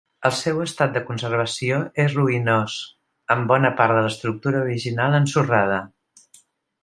El seu estat de conservació és ruïnós, amb bona part de l'estructura original ensorrada.